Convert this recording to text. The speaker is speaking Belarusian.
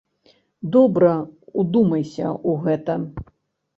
Добра ўдумайся ў гэта.